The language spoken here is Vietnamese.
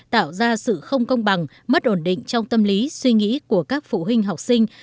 tạo ra sự không công bằng mất ổn định trong tâm lý suy nghĩ của các phụ huynh học sinh